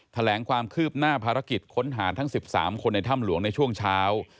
แถลงความคืบหน้าภารกิจค้นหาทั้ง๑๓คนในถ้ำหลวงในช่วงเช้า